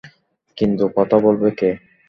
কিন্তু কথা বলবে কে?